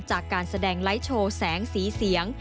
จากการแสดงไลค์โชว์แสงสีเสียง